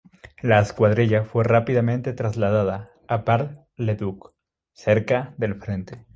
La escuadrilla fue rápidamente trasladada a Bar-le-Duc, cerca del frente.